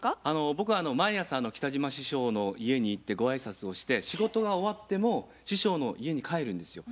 僕は毎朝北島師匠の家に行ってご挨拶をして仕事が終わっても師匠の家に帰るんですよ。